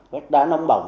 các đá nông bỏng